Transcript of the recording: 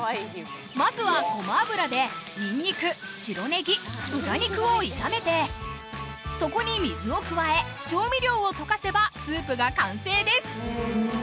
まずはごま油でにんにく白ねぎ豚肉を炒めてそこに水を加え調味料を溶かせばスープが完成です